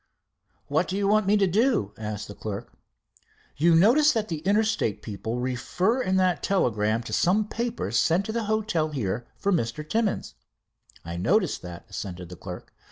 "What do you want me to do?" asked the clerk. "You notice that the Interstate people refer in that telegram to some papers sent to the hotel here for Mr. Timmins." "I noticed that," assented the clerk.